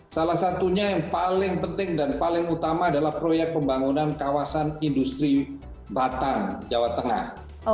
salah satunya yang paling penting dan paling utama adalah proyek pembangunan kawasan industri batang jawa tengah